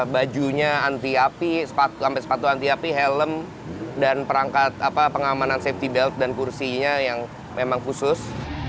bajunya anti api sampai sepatu anti api helm dan perangkat pengamanan safety belt dan kursinya yang memang khusus